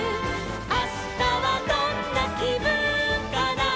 「あしたはどんなきぶんかな」